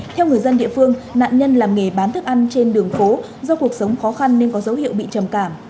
theo người dân địa phương nạn nhân làm nghề bán thức ăn trên đường phố do cuộc sống khó khăn nên có dấu hiệu bị trầm cảm